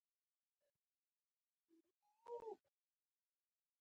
تا نن څومره کار وکړ ؟